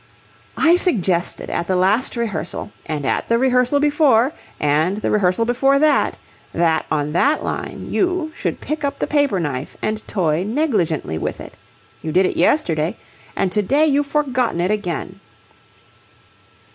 "I suggested at the last rehearsal and at the rehearsal before and the rehearsal before that, that, on that line, you, should pick up the paper knife and toy negligently with it. You did it yesterday, and to day you've forgotten it again."